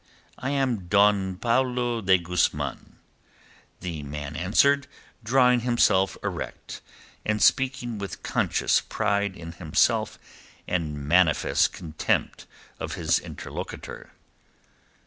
"I am Don Paulo de Guzman," the man answered, drawing himself erect, and speaking with conscious pride in himself and manifest contempt of his interlocutor.